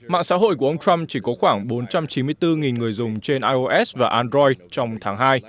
mạng xã hội của ông trump chỉ có khoảng bốn trăm chín mươi bốn người dùng trên ios và android trong tháng hai